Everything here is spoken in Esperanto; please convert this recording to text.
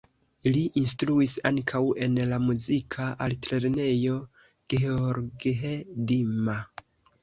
Li instruis ankaŭ en la Muzika Altlernejo Gheorghe Dima.